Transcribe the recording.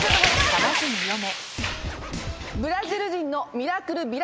かまずに読め。